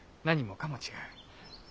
何もかも違う。